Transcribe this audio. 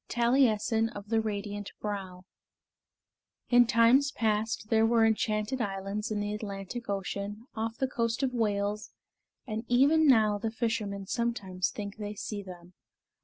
II TALIESSIN OF THE RADIANT BROW In times past there were enchanted islands in the Atlantic Ocean, off the coast of Wales, and even now the fishermen sometimes think they see them.